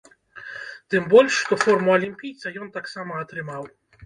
Тым больш, што форму алімпійца ён таксама атрымаў.